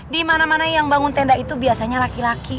dimana mana yang bangun tenda itu biasanya laki laki